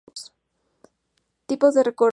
Tipos de recortes.